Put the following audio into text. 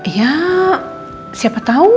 ya siapa tau